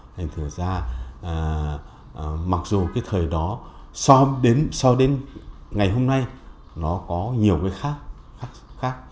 thành thử ra mặc dù cái thời đó so đến ngày hôm nay nó có nhiều cái khác